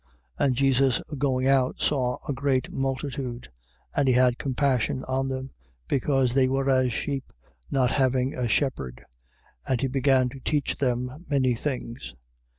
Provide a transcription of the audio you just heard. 6:34. And Jesus going out saw a great multitude: and he had compassion on them, because they were as sheep not having a shepherd, and he began to teach them many things.